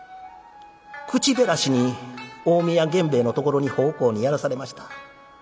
口減らしに近江屋源兵衛のところに奉公にやらされました。